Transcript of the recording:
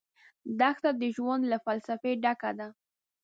دښته د ژوند له فلسفې ډکه ده.